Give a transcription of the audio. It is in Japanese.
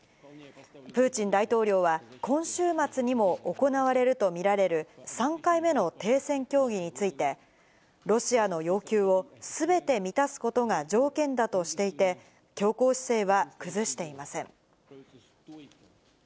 プーチン大統領は今週末にも行われると見られる３回目の停戦協議について、ロシアの要求をすべて満たすことが条件だとしていて、強硬姿勢は崩していません。